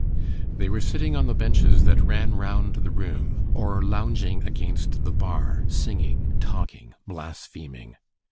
They were sitting on the benches that ran round the room, or lounging against the bar singing, talking, blaspheming.